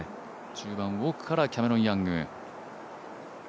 １０番、奥からキャメロン・ヤング。